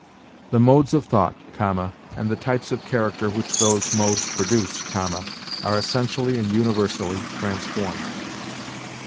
'The modes of thought[,] and the types of character which those modes produce[,] are essentially and universally transformed.'